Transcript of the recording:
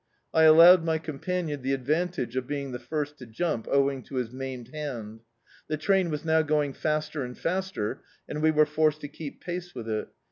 I allowed my companion the advantage of being the first to jumpv owing to bis maimed hand. The train was now going faster and faster, and we were forced to keep pace with it.